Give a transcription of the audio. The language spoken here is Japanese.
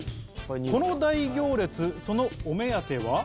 この大行列そのお目当ては。